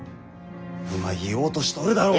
今言おうとしとるだろう。